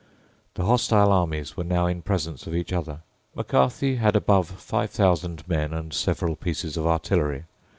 The hostile armies were now in presence of each other. Macarthy had above five thousand men and several pieces of artillery.